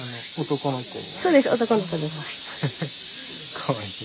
かわいい。